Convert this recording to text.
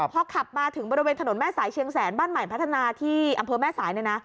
พอขับมาถึงบริเวณถนนแม่สายเชียงแสนบ้านใหม่พัฒนาที่อำเภอแม่สายเนี่ยนะ